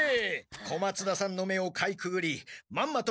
小松田さんの目をかいくぐりまんまと